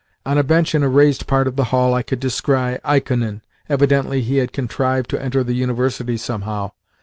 On a bench in a raised part of the hall I could descry Ikonin (evidently he had contrived to enter the University somehow!)